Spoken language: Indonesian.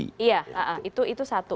iya itu satu